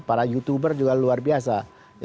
para youtuber juga luar biasa